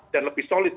dan lebih solid